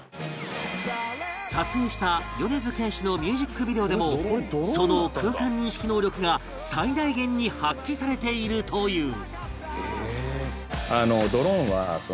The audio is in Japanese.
撮影した米津玄師のミュージックビデオでもその空間認識能力が最大限に発揮されているという